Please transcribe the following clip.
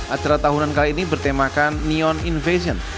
acara tahunan kali ini bertemakan neon in fashion